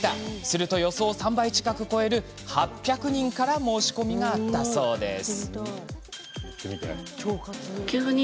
すると、予想を３倍近く超える８００人から申し込みがあったそうです。